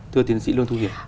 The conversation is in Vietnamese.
thưa tiến sĩ luân thu hiệp